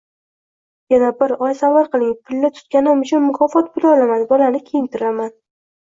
Yana bir oy sabr qiling. Pilla tutganim uchun mukofot puli olaman, bolani kiyintiraman.